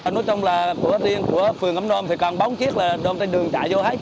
nói chung là của tiên của phường ấm nôm thì còn bóng chiếc là đông tay đường chạy vô hết